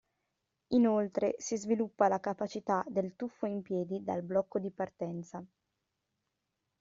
Inoltre, si sviluppa la capacità del tuffo in piedi dal blocco di partenza.